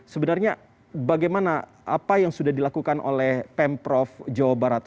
sebenarnya bagaimana apa yang sudah dilakukan oleh pemprov jawa barat